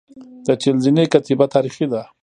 د چهل زینې کتیبه تاریخي ده